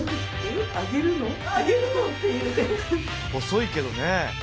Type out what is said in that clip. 細いけどね。